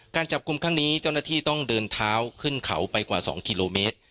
การจับกลุ่มครั้งนี้เจ้าหน้าที่ต้องเดินเท้าขึ้นเขาไปกว่า๒กิโลเมตร